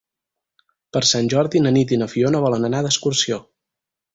Per Sant Jordi na Nit i na Fiona volen anar d'excursió.